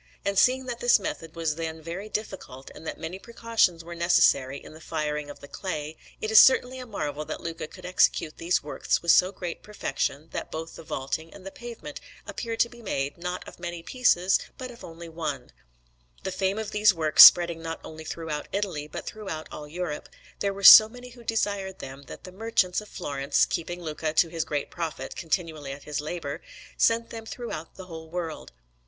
And seeing that this method was then very difficult, and that many precautions were necessary in the firing of the clay, it is certainly a marvel that Luca could execute these works with so great perfection that both the vaulting and the pavement appear to be made, not of many pieces, but of one only. The fame of these works spreading not only throughout Italy but throughout all Europe, there were so many who desired them that the merchants of Florence, keeping Luca, to his great profit, continually at this labour, sent them throughout the whole world.